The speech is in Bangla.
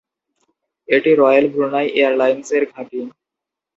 এটি রয়েল ব্রুনাই এয়ারলাইন্স-এর ঘাঁটি।